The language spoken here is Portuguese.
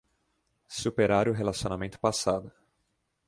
Superar o relacionamento passado